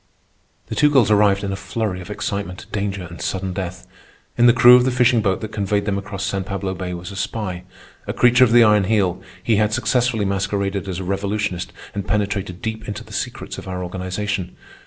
The two girls arrived in a flurry of excitement, danger, and sudden death. In the crew of the fishing boat that conveyed them across San Pablo Bay was a spy. A creature of the Iron Heel, he had successfully masqueraded as a revolutionist and penetrated deep into the secrets of our organization.